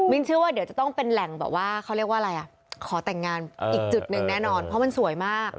เชื่อว่าเดี๋ยวจะต้องเป็นแหล่งแบบว่าเขาเรียกว่าอะไรอ่ะขอแต่งงานอีกจุดหนึ่งแน่นอนเพราะมันสวยมาก